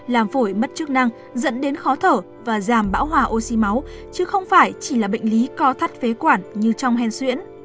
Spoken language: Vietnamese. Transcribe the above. làm phổi mất chức năng dẫn đến khó thở và giảm bão hòa oxy máu chứ không phải chỉ là bệnh lý co thắt phế quản như trong hen xuyễn